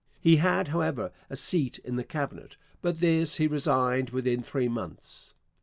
He had, however, a seat in the Cabinet, but this he resigned within three months.